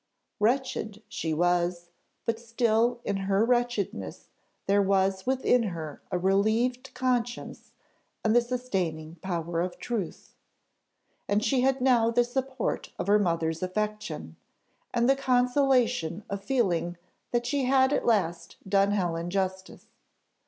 Wretched she was, but still in her wretchedness there was within her a relieved conscience and the sustaining power of truth; and she had now the support of her mother's affection, and the consolation of feeling that she had at last done Helen justice!